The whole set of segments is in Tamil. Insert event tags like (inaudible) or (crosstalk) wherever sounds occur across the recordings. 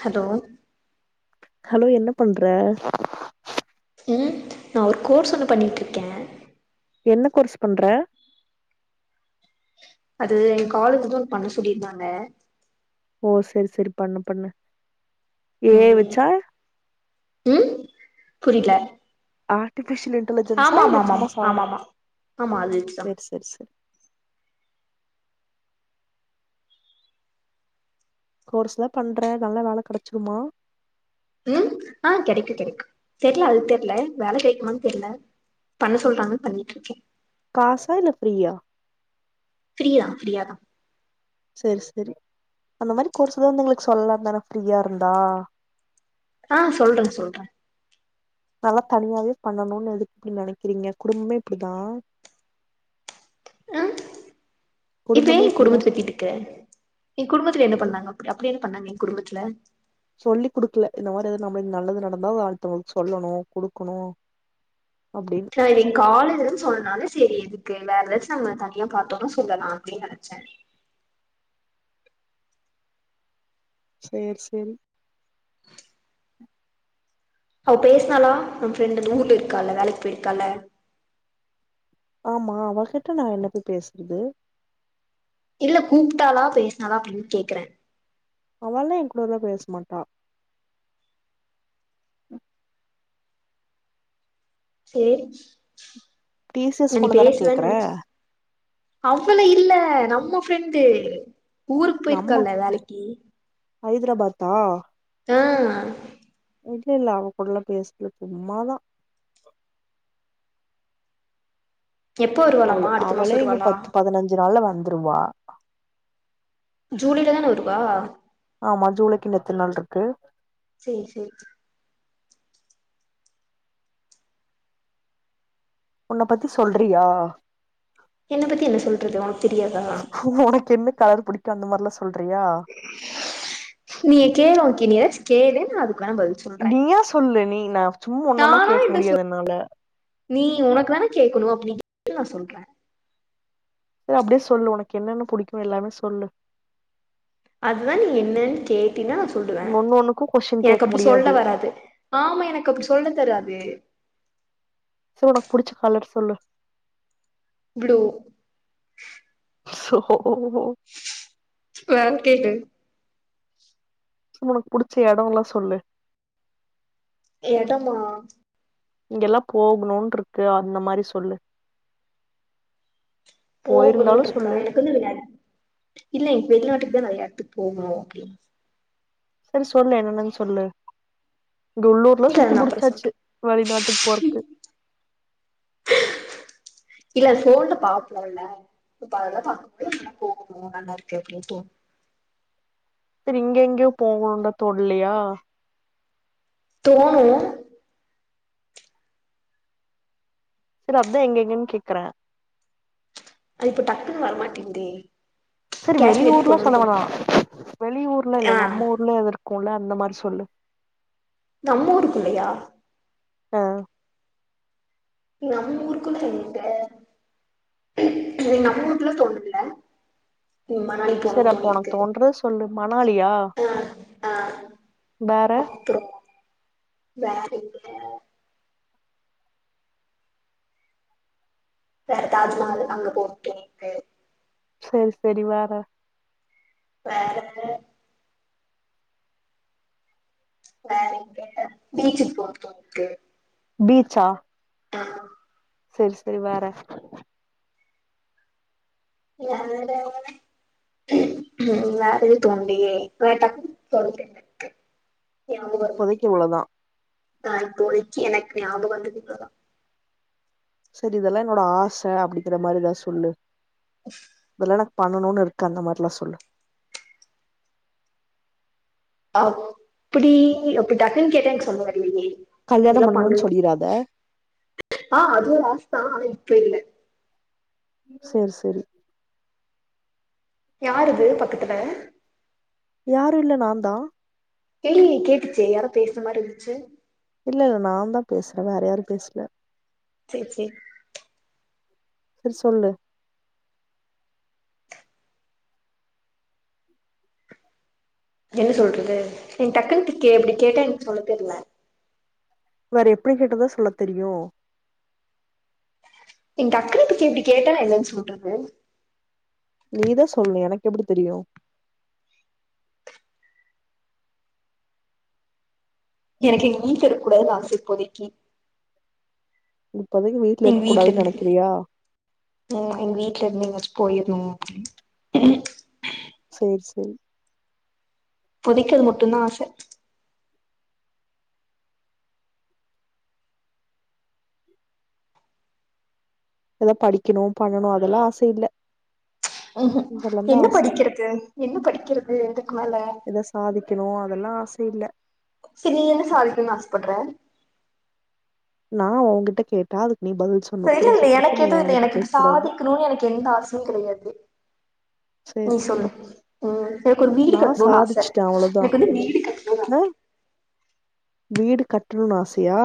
ஹலோ ஹலோ என்ன பண்ற ம் நா ஒரு கோர்ஸ் ஒன்னு பண்ணிட்டிருக்கே என்ன கோர்ஸ் பண்ற அது எங்க காலேஜ்லதா ஒன்னு பண்ண சொல்லியிருந்தாங்க ஓ செரி செரி பண்ணு பண்ணு ஏ ஐ ம் வச்சா ம் புரில ஆர்டிபிஷியல் இன்டலிஜென்ஸா இல்ல ஆமாமாமாமா ஆமாமா சும்மா ஆமா சாதர்ணமா ஆமா ஆமா ஆமா அது வச்சுதா செர் செர் செர் கோர்ஸ்ல்லா பண்ற நல்லா வேல கெடச்சுருமா ம் ஆ கெடைக்கு கெடைக்கு தெர்ல அது தெர்ல வேல கெடைக்குமான் தெர்ல பண்ண சொல்றாங்க பண்ணிடிர்க்கே காசா இல்ல ஃப்ரியா ஃப்ரீதா ஃப்ரியா தா செர் செரி அந்த மாரி கோர்ஸ் எதா இர்ந்தா எங்களுக்கு சொல்லாந்தானா ஃப்ரீயாருந்தா ஆ சொல்ற சொல்ற நல்ல தனியாவே பண்ணணோன் எதுக் நெனைக்கிறீங்க குடும்பம்மே இப்டித்தா அ இப்ப ஏ குடும்பமே இப்டிதா குடும்பத் பத்தி இழுக்குற எகுடும்பத்ல என்ன பண்ணாங்க அப்புடி அப்டி என்ன பண்ணாங்க எகுடும்பத்ல சொல்லி் குடுக்ல இந்த மாரி ஏத நம்முலுக் நல்லது நடந்தா அத அடுத்தவங்களுக்சொல்லணு குடுக்கணு அப்டின் நா எது எங் காலேஜ்லன் சொன்னால செரி த்திங்லா எதச்சு நம்ம தனியா பாத்தோன்னொ சொல்லலா அப்டின் நெனச்செ சேர் செரி அவ பேஸ்னாலா நம் ஃப்ரெண்டு தூத் இர்க்கால்ல வேலைக் பெயிர்கால்ல ஆம்மா அவகிட்ட நா என்னத்த பேஸ்றது இல்ல கூப்டாலா பேஸ்னாலா அப்டின் கேக்ற அவல்லா எங்கூடல்லா பேஸ்மாட்டா சேரி டி சி எஸ் நா நீ பொண்ணுதான பேசுவன் கேக்குற நெனச்சி அவ்வள இல்ல நம்ம ஃப்ரெண்டு ஊருக்கு போயிருக்கால்ல நம்மக் வேலைக்கி ஹைதரபாத்தா அ இல்லெல அவங் கூடல்லா பேஸ்லா சும்மாதா எப்ப அவுள் வருவாளாமா அடுத்த மாசோ அவளே இன்னு வருவாளா பத்து பதினஞ்சு நாள்ல வந்துருவா ஜூனில தான வருவா ஆம்மா ஜூலைக்குகின்னு எத்துன் நாள்ருக்கு சேர் சேர் உன்ன பத்தி சொல்றியா என்ன பத்தி என்ன சொல்றது உனக்கு தெரியாதா உனக்கென்ன கலர் பிடிக்கு அந்த மாரில்லா சொல்றியா நீ கேளு ஓக்கே நீ எதாச் கேளு நா அதுக் வேனா பதில் சொல்றே நீயா சொல்லு நீ நா சும்மா ஒன்னொன்னா நானா கேக் என்ன சொல் முடியாது என்னால நீ உனக் தான கேக்குனு அப் நீ கே ள் நா சொல்றே செ அப்டே சொல்லு உனகென்னென்ன புடிக்கு எல்லாமே சொல்லு அதுதா நீ என்னன் நீ கேட்டீனா சொல்லுவ ஒன்னொன்னுக்கு கொஷ்ஷின் எனக் அப்டி சொல்ல வராது ஆம்மா எனக் அப்டி சொல்ல தெராது சோ ஒனக் புடிச்ச கலர் சொல்லு ப்ளூ சோ வேறக்கேளு ஒனக் புடிச்ச எடொல்லா சொல்லு எடமா இங்கெல்லா போகுணுன்ருக்கு அந்த மாரி சொல்லு போயிருந்தாலு சொல்லு கொல்லு விநாயக் இல்ல இப் வெள்நாட்டுக்தா நறையஎட்த்துக் போணூ சரி சொல்லு என்னன்னனு சொல்லு இங்க உள்ளூர்ல்லா இல்ல சுத்தி அது நா அப்றோ முடிச்சாச்சு சொல்றே வெளிநாட்டுக்கு போறக்கு இல்ல ஃபோன்ல பாப்போல்ல இப்ப அதெல்லா பாக்கும் போது நம்ம போணு நல்லா இருக்கு அப்டின்னு தோணு சரி இங்க எங்கயோ போவோ அங்க தோனலையா தோணு சரி அப்டி எங்க எங்கனு கேக்குறே அது இப்ப டக்குன்னு வரமாட்டேங்குதே சரி காஷ்மீருக்கு வெளியூர்ல சொல்ல போணுன்னு தோணு வேணா வெளியூர்லா ஆ இல்ல நம்ம ஊர்ல எத இருக்குல்ல அந்த மாதிரி சொல்லு நம்ம ஊருக்குள்ளையா ஆ நம்ம ஊருக்குள்ள எங்க ம் நம்ம ஊருக்குள்ள தோணல ம் மணாலி சரி போணுன்னு அப்போ உனக்கு தோணிருக்கு தோன்றது சொல்லு மணாலியா ஆ ஆ வேற த்துரும வேற எங்க வேற தாஜ்மஹால் அங்க போணுன்ட்டு இருக்கு சரி சரி வேற வேற பே வேற வந்து பீச்சுக்கு போணுன்ட்டு இருக்கு பீச்சா ஆமா சரி சரி வேற இனி (unintelligible) அவ்ளதா ம் வேற எது தோணலையே வேற டக்குனு தோண ஞாபக இப்போதைக்கு வரமாட்டேங்குது இவ்ளோதா ஆ இப்போதைக்கு எனக்கு ஞாபக வந்தது இவ்ளோதா சரி இதெல்லா என்னோட ஆசை அப்படிங்கிற மாரிதா சொல்லு இதெல்லா பண்ணனுனு இருக்கு அந்த மாரில்லா சொல்லு அப்டி அப்டி டக்குன்னு கேட்டா எனக்கு சொல்ல தெரியலையே கல்யாணம் இதெல்லா பண்ணணும்னு பண்ணனு சொல்லிராத ஆ அது ஒரு ஆசை தா ஆனா இப்ப இல்ல செரி சரி யார் இது பக்கத்துல யாரு இல்ல நான்தா தெர்லயே கேட்டுச்சு யாரோ பேசுற மாரி இருந்துச்சு இல்ல இல்ல நான்தா பேசுறே வேற யாரு பேசல சேரி சேரி சரி சொல்லு என்ன சொல்றது நி டக்குனுக்கு எப்டி கேட்டா எனக்கு சொல்ல தெரில வேற எப்படி கேட்டாதா சொல்ல தெரியு நீங்க டக்குனு இப்டி கேள்வி கேட்டா நா என்னன்னு சொல்றது நீதா சொல்லனு எனக்கு எப்படி தெரியு எனக்கு எங்க வீட்ல இருக்கூடாதுன் ஆசை இப்போதைக்கு இப்போதைக்கு வீட்ல எங்க இருக்கூடான்னு இருந்து நினைக்கிறியா ம் எங்க வீட்ல இருந்து எங்கயாச்சு போயிருணு அப்டினு சேரி சேரி இப்போதைக்கு இது மட்டும்தா ஆச ஏதா படிக்கணூ பண்ணணூ அதெல்லா ஆச இல்ல ம் ஹும் இதெல்லா தா என்ன ஆச படிக்கர்த்து என்ன படிக்கர்த்து இதுக்கு மேல சாதிக்கணூ அதெல்லா ஆச இல்ல செரி என்ன சாதிக்கனூ ஆசப்பட்ற நா ஒங்கிட்ட கேட்டா அதுக்கு நீ பதில் சொல் தெரியில்ல எனக்கு எதுவ் இல்ல எனக்கு இது சாதிக்கனூ எனக்கு எந்த ஆசையூ கிடையாது நீ சேரி சேரி சொல்லு ம் எனக்கு ஒரு வீடு நா கட்னோனு ஆச எனக்கு வந்து வீடு கட்னோ னா வீடு கட்னுன்னு ஆசய்யா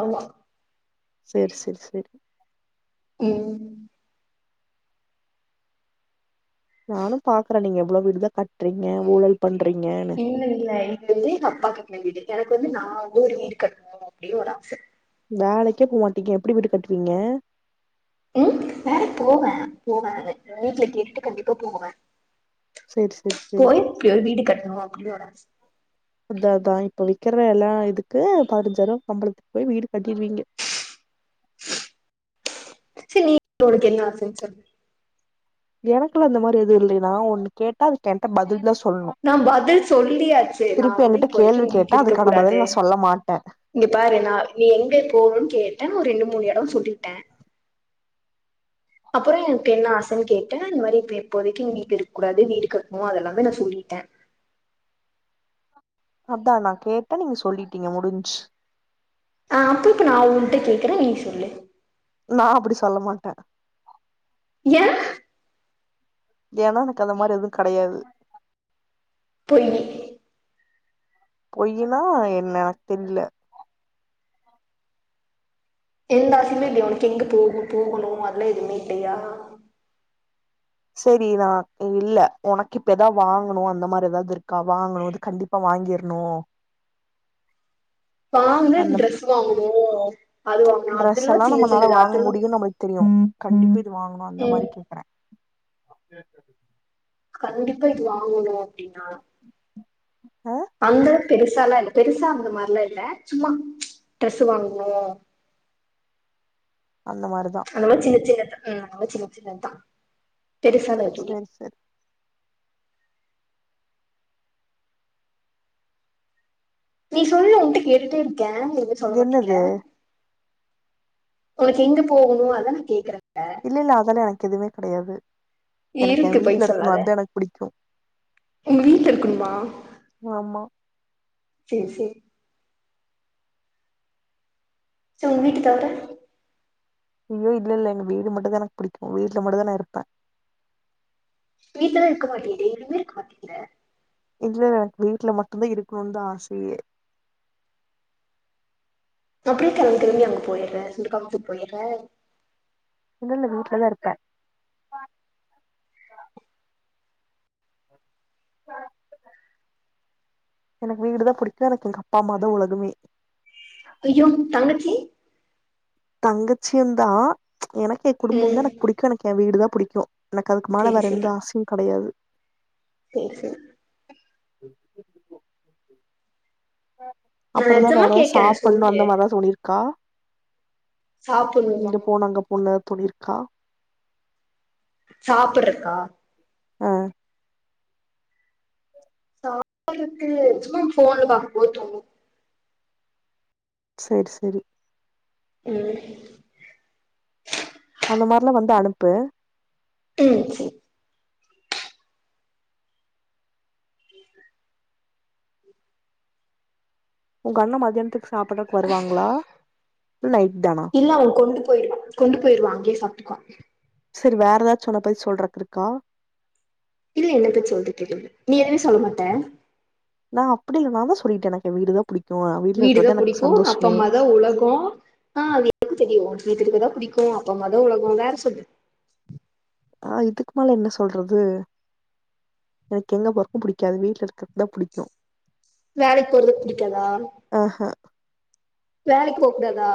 ஆமா செர் செர் செரி ம் நானு பாக்றே நீங்க எவ்ளோ வீடுதா கட்றீங்க ஊழல் பண்றீங்க இல்ல இல்ல இது வந்து எங்க அப்பா கட்ன வீடு எனக்கு வந்து நா ஒரு வீடு கட்னோ அப்டின் ஒரு ஆச வேலைக்கே போமாட்டீங்க எப்டி வீடு கட்டுவீங்க ம் வேலைக்கு போவே போவே வீட்ல கேட்டுட்டு கண்டிப்பா போவே சேரி சேரி சேரி போய் இப்டி ஒரு வீடு கட்னோ அப்டினு ஒரு ஆச அதா அதா இப்ப விக்கிற எல்லா இதுக்கு பதினஞ்சாயிரூபா சம்பளத்துக்கு போய் வீடு கட்டிருவீங்க செரி நீ உனக்கு என்ன ஆசைன்னு சொல் எனக்குல அந்தமாரி எது இல்லை நா ஒன்னு கேட்டா அதுக் எங்கிட்ட பதில் தா சொல்னோ நா பதில் சொல்லியாச்சு நா வந்து என்கிட்ட இப்போதைக்கு கேள்வி எங்க வீட்ல கேட்டா ‌இருக்க அதுக்கான கூடாது பதில் நா சொல்ல மாட்டே இங்க பாரு நா நீ எங்க போவ்னு கேட்டே ஒரு ரெண்டு மூணு எடோ சொல்லிட்டோ அப்றோ எனக்கு என்ன ஆசை கேட்ட இந்மாரி இப்ப இப்போதைக்கு வீட்லயிருக்கூடாது வீடு கட்னோ அதெல்லாமே நா சொல்லிட்டே அதா நா கேட்டே நீங்க சொல்லிட்டீங்க முடிஞ்சு ஆ அப்போ இப்ப நா உன்கிட்ட கேக்றே நீ சொல்லு நா அப்டி சொல்ல மாட்டே ஏ ஏன்னா எனக்கு அந்தமாரி எதுவூ கெடையாது பொய் பொயின்னா என்ன எனக் தெர்ல எந்தா ஆசயுமே இல்லைய உனுக்கு எங்க போ போகணூ அதுல்லா எதுமே இல்லியா செரி நா இல்ல உனக்கு இப்ப ஏதா வாங்கனூ அந்தமாரி ஏதாவ்து இருக்கா வாங்கனூ இது கண்டிப் இப்ப வாங்கிற்னோ வாங்கனு அந்தப் ட்ரெஸ் வாங்கணு அது வாங்கணு ட்ரெஸ் அதெல்லா எல்லா சின்ன நம்மனால சின்னது வாங்க அதெல்லா முடியூ நம்மளுக்கு தெரியூ கண்டிப்ப இத வாங்கணூ அந்தமாரி ம் கேக்குறே கேக்குது கண்டிப்பா இது வாங்கணூ அப்டின்னா ஆ அந்தளவுக்கு பெருசால்லா இல்ல பெருசா அந்த மாரில்லா இல்ல சும்மா ட்ரெஸு வாங்கனூ அந்த மாரிதா அதுவு சின்ன சின்னத் தா ம் சின்ன சின்னத்தா பெருசாலா எதுவூ இல்ல சேரி சேரி நீ சொல்லு உன்ட்ட கேட்டுட்டே இருக்கே எதுமே சொல்ல இது மாட்டிங்கிற என்னது உனக்கு எங்க போகனூ அதான கேக்றே இப்ப இல்லல்ல அதாலா எனக்கு எதுவுமே கெடயாது எனக்கு என் இருக்கு பொய் வீட்லயிருக்கனு சொல்லாத அத்தா எனக்கு புடிக்கூ உங்க வீட்ல இருக்கன்மா ஆம்மா செர் செர் ச்ச உங்க வீட்டு தவுர வீட்ல இல்ல எங்க வீடு மட்டுதா எனக் புடிக்கு வீட்ல மட்டுந்தா நாஇருப்ப வீட்லவேயிருக்க மாட்டியேடி இருக்க மாட்டீங்குற இல்லல்ல வீட்ல மட்டுதா இருக்னுன் தா ஆசயே அப்டே கிளம்பி களம்பி அங்க போய்ட்ற சுண்டுக்கவுத்துக்கு போயட்ற இல்லல்ல வீட்லதா இருப்ப எனக் வீடுதா புடிக்கு எனக்கு எங்க அப்பா அம்மா தா உலகமே ஐயோ தங்கச்சி தங்கச்சியுந்தா எனக் எ குடும்பந்தா ம் எனக் புடிக்கு எனக் எ வீடு தா புடிக்கு எனக் அதுக் மேல சேரி வேற எந்த ஆசயு கடையாது சேர் சேர் ம் நா அப்பறதா நெஜமா வேற கேக்குறே சாப்பண்ணு சொல்லு அந்த மார்தா தோணிர் அக்கா சாப்புட்ணுமா இங்க போனு அங்க போன்னு எத் தோணிருக்கா சாப்புறக்கா அ சாப்புரக்கு சும்மா ஃபோன்ல பாக்கும்போது தோனு சேரி செரி ம் அந்த மார்லா வந்தஅனுப்பு ம் சே உங்க அண்ண மதியான்த்துக் சாப்புட்றக் வருவாங்களா இல்ல எய்ட் தானா இல்ல அவகொண்டு போய்ருவா கொண்டு பொய்ருவா அங்கே சாப்ட்டுக்குவா செரி வேற எதாச்-அவனபத்தி சொல்றக் இருக்கா இல்ல என்ன பத் சொல்ரதுக் எதுமில் நீ எது சொல்ல மாட்ட நா அப்புடி இல்ல நாந்தா சொல்லிட்டனெ எனக்கு வீடுதா புடிக் வீடுதா புடிக்கூ அப்ப அம்மாதா உலகொ அ எனக்குதெரியூ வீட்டுக் இருக்கதா புடிக்கூ அப்ப அம்மா தா உலகொ வேற சொல்லு அ இதுக் மேல என்ன சொல்றது எனக் எங்க போரக்கு புடிக்காது வீட்ல இருக்கதுதா புடிக்கு வேலைக் போறது புடிக்காதா அஹ வேலைக் போக் கூடாதா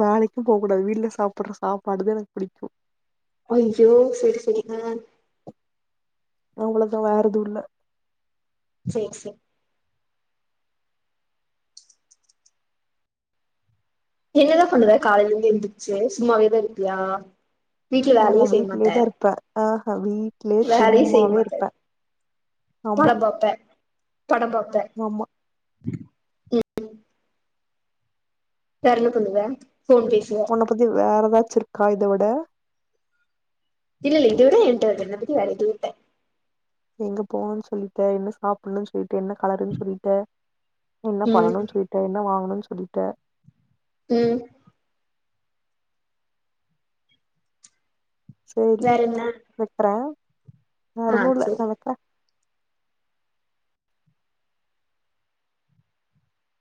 வேலைக்கூ போக்கூடாது வீட்டுல சாப்புட்ற சாப்பாடுதெ எனக் புடிக்கு அய்யோ சரி சரி உம் உங்களுக்கு வேற எதும் இல்ல சேர் சே என்னதா பண்ணுவ காலைலேந்து எந்துச்சு சும்மாவேதா இருக்கியா வீட்ல வேலையு செய்ய மாட்ட ப அஹ வீ வேலையு செய்யமாட்டெ படம் பாப்பெ படம்பாப்பே ஆம்மா வேற என்ன பண்ணுவே ஃபோன் பேசுவ ப்ரகதீவ் வேற ஏதாச்சு இருக்கா இத விட இல்லல்ல இத விட ‌ஏன்ட்ட என்ன பத்தி வேற ‌எதூவ் இல்ல எங்க போவ்ணு சொல்லிட்ட என்ன சாப்பிட்ணு சொல்லிட்ட என்ன கலருன்னு சொல்லிட்ட என்ன ம் பண்ணனு சொல்லி ட்ட என்ன வாங்கணு சொல்லிட்டே ம் செரி வேற என்ன வைக்கறே வே ஆ ஒன்னூல்ல சேரி நா வைக்கறே